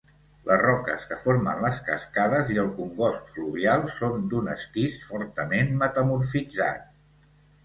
Les roques que formen les cascades i el congost fluvial són d'un esquist fortament metamorfitzat.